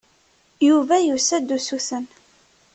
Yuba yessa-d usuten.